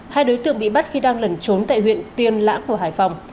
hai đối tượng bị bắt khi đang lẩn trốn tại huyện tiên lãng của hải phòng